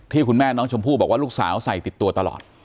คุณแม่น้องชมพู่บอกว่าลูกสาวใส่ติดตัวตลอด